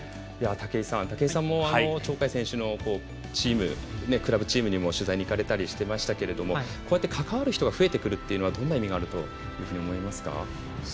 武井さん、鳥海選手のチームクラブチームにも取材に行かれたりしていましたがこうやって関わる人が増えてくるのはどんな意味があると思われますか？